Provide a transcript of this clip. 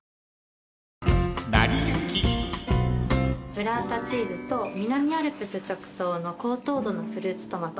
ブラータチーズと南アルプス直送の高糖度のフルーツトマト。